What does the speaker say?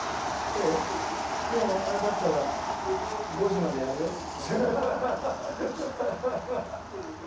もう、あれだったら５時までやるよ？